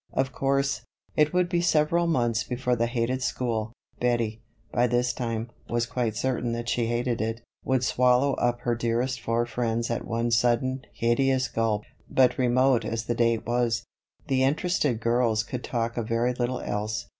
Of course, it would be several months before the hated school Bettie, by this time, was quite certain that she hated it would swallow up her dearest four friends at one sudden, hideous gulp; but remote as the date was, the interested girls could talk of very little else.